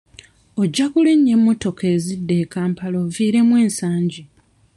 Ojja kulinnya emmotoka ezidda e Kampala oviiremu e Nsangi.